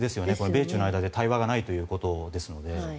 米中の間で対話がないということですので。